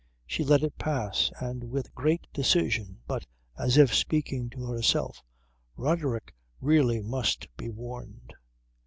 She let it pass and with great decision but as if speaking to herself, "Roderick really must be warned."